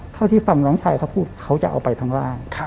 เท่าที่ฟังน้องชายเขาพูดเขาจะเอาไปทั้งร่าง